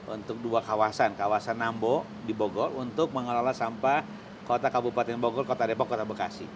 untuk dua kawasan kawasan nambo di bogor untuk mengelola sampah kota kabupaten bogor kota depok kota bekasi